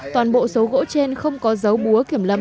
toàn bộ số gỗ trên không có dấu búa kiểm lâm